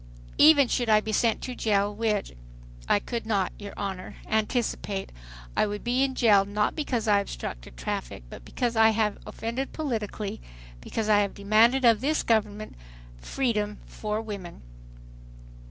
Even should I be sent to jail which, I could not, your Honor, anticipate, I would be in jail, not because I obstructed traffic, but because I have offended politically, because I have demanded of this government freedom for women."